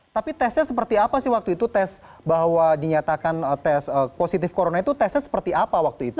tapi tesnya seperti apa sih waktu itu tes bahwa dinyatakan tes positif corona itu tesnya seperti apa waktu itu